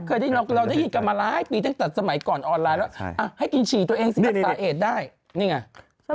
ก่อนออนไลน์แล้วอ่ะให้กินฉีดตัวเองสิอักษาเอกได้นี่ไง